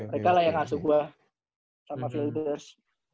mereka lah yang asuh gue sama fullders